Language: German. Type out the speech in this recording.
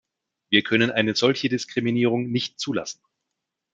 Wir können eine solche Diskriminierung nicht zulassen.